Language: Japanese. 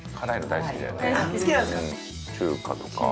中華とか？